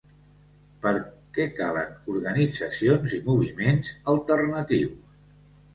Per què calen organitzacions i moviments alternatius?